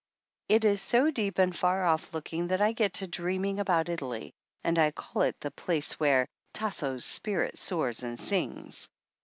It is so deep and far off looking that I get to dreaming about Italy, and I call it the place where "Tasso's spirit soars and sings."